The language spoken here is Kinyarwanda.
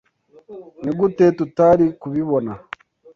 Nigute tutari kubibona?